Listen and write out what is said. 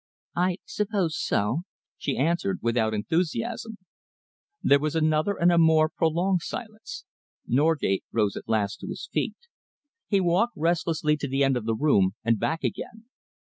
"I suppose so," she answered, without enthusiasm. There was another and a more prolonged silence. Norgate rose at last to his feet. He walked restlessly to the end of the room and back again.